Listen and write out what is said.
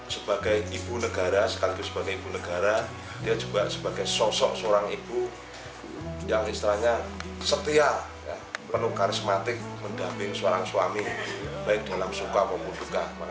sebagai ibu negara sekaligus sebagai ibu negara dia juga sebagai sosok seorang ibu yang istilahnya setia penuh karismatik mendamping seorang suami baik dalam suka maupun duka